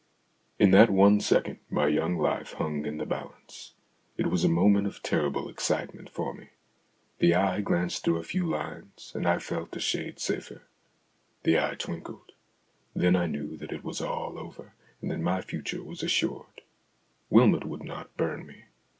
In that one second my young life hung in the balance. It was a moment of terrible excitement for me. The eye glanced through a few lines, and I felt a shade safer. The eye twinkled. Then I knew that it was all over, and that my future was assured ; Wylmot would not burn me.